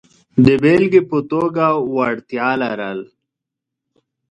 د بېلګې په توګه وړتیا لرل.